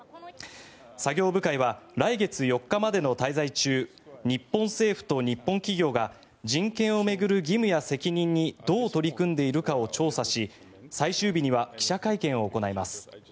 作業部会は来月４日までの滞在中日本政府と日本企業が人権を巡る義務や責任にどう取り組んでいるかを調査し最終日には記者会見を行います。